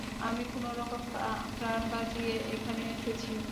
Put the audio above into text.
আমি কোন রকমে প্রাণ বাঁচিয়ে এখানে এসেছি।